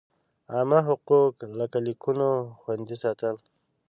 عامه حقوق لکه لیکونو خوندي ساتل.